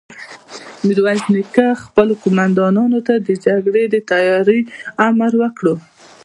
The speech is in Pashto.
ميرويس نيکه خپلو قوماندانانو ته د جګړې د تياري امر وکړ.